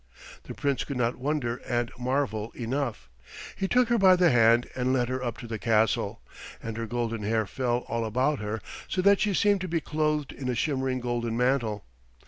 The Prince could not wonder and marvel enough. He took her by the hand and led her up to the castle, and her golden hair fell all about her so that she seemed to be clothed in a shimmering golden mantle.